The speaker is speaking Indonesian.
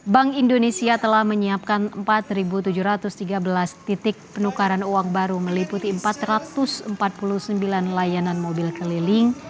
bank indonesia telah menyiapkan empat tujuh ratus tiga belas titik penukaran uang baru meliputi empat ratus empat puluh sembilan layanan mobil keliling